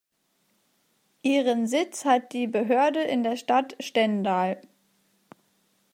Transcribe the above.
Ihren Sitz hat die Behörde in der Stadt Stendal.